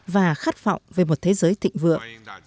và khát vọng về một thế giới thịnh vượng